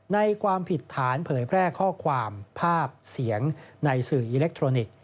ความผิดฐานเผยแพร่ข้อความภาพเสียงในสื่ออิเล็กทรอนิกส์